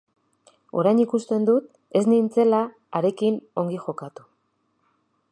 Orain ikusten dut ez nintzela harekin ongi jokatu.